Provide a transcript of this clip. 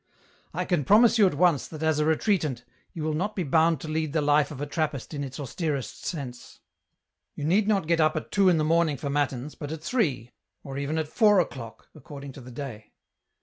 EN ROUTE. 115 " I can promise you at once that as a retreatant, you will not be bound to lead the life of a Trappist in its austerest sense. You need not get up at two in the morning for Matins, but at three, or even at four o'clock, according to the day."